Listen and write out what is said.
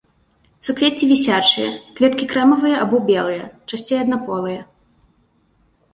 Суквецці вісячыя, кветкі крэмавыя або белыя, часцей аднаполыя.